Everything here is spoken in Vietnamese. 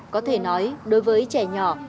có thể nói đối với trẻ nhỏ